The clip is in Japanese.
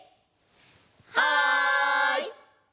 はい！